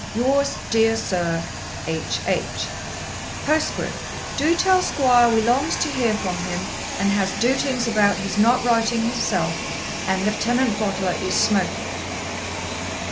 Yours, deer Sur, 'H. H. 'Poscriff. Do'e tell squoire we longs to heer from him, and has dootings about his not writing himself, and Lifetenant Bottler is smoky.'